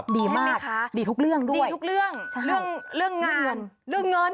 ดีมากนะคะดีทุกเรื่องด้วยดีทุกเรื่องเรื่องงานเรื่องเงิน